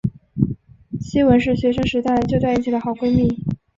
希汶是学生时代就在一起的好闺蜜。